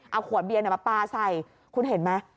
เอาขวดเบียนมาปลาใส่คุณเห็นไหม